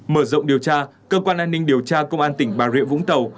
mở rộng điều tra cơ quan an ninh điều tra công an tỉnh bà rịa vũng tàu